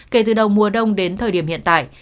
kể từ đầu mùa đông đến thời điểm hiện tại